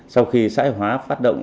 sau khi xã hải hóa phát động